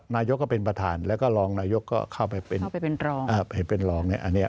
นายกก็เป็นประธานแล้วก็รองนายกก็เข้าไปเป็นรอง